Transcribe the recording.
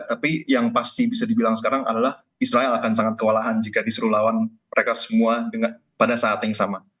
tapi yang pasti bisa dibilang sekarang adalah israel akan sangat kewalahan jika disuruh lawan mereka semua pada saat yang sama